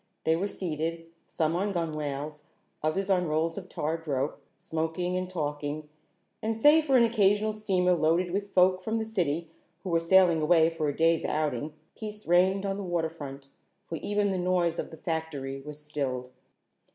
They were seated, some on gunwales, others on rolls of tarred rope, smoking and talking, and save for an occasional steamer loaded with folk from the city who were sailing away for a day's outing, peace reigned on the waterfront, for even the noise of the factory was stilled.